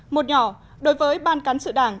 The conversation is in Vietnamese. một nhỏ đối với ban cán sự đảng